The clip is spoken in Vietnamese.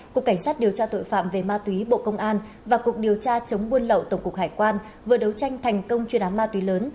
cục cảnh sát điều tra tội phạm về ma túy bộ công an và cục điều tra chống buôn lậu tổng cục hải quan vừa đấu tranh thành công chuyên án ma túy lớn